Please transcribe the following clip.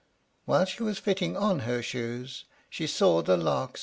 While she was fitting on her shoes, she saw the Lark's friend.